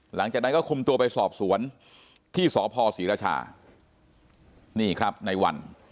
หลังจากนั้นก็คุมตัวไปสอบสวนที่สพศรีราชานี่ครับในวัน